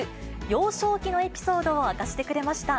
幼少期のエピソードを明かしてくれました。